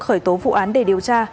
khởi tố vụ án để điều tra